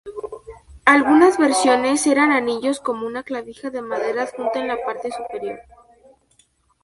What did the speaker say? Algunas versiones eran anillos con una clavija de madera adjunta en la parte superior.